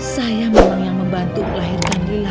saya memang yang membantu kelahiran lila